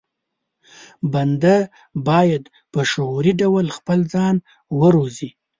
بنده بايد په شعوري ډول خپل ځان وروزي.